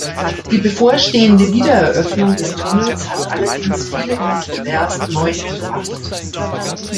Die bevorstehende Wiedereröffnung des Tunnels hat allerdings viele Kontroversen neu entfacht.